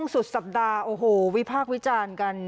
สุดสัปดาห์โอ้โหวิพากษ์วิจารณ์กัน